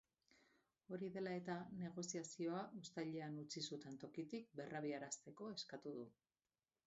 Hori dela eta, negoziazioa uztailean utzi zuten tokitik berrabiarazteko eskatu du.